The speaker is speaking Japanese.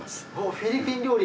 フィリピン料理。